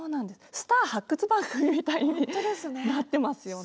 スター発掘番組みたいになってますよね。